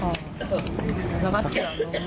แล้วก็เสียบน้องนี่